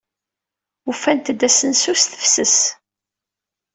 Ufant-d asensu s tefses.